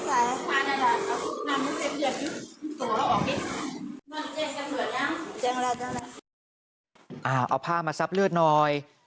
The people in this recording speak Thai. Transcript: เอาผ้ามาซับเลือดหน่อย